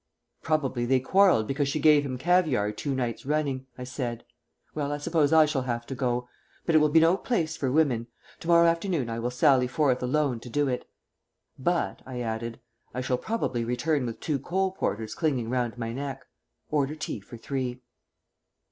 "Probably they quarrelled because she gave him caviare two nights running," I said. "Well, I suppose I shall have to go. But it will be no place for women. To morrow afternoon I will sally forth alone to do it. But," I added, "I shall probably return with two coal porters clinging round my neck. Order tea for three."